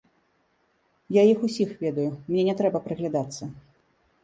Я іх усіх ведаю, мне не трэба прыглядацца.